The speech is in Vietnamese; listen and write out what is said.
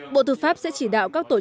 bộ tư pháp sẽ chỉ đạo các phương án